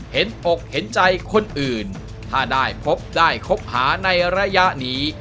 อกเห็นใจคนอื่นถ้าได้พบได้คบหาในระยะนี้